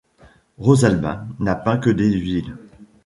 Rosalbin n'a peint que des huiles.